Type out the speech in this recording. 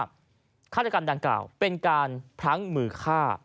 ให้การว่าฆ่าจักรรมดังกล่าวเป็นการพลังมือฆ่า